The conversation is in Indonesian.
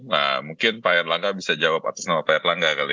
nah mungkin pak erlangga bisa jawab atas nama pak erlangga kali ya